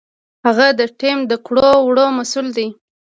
هغه د ټیم د کړو وړو مسؤل دی.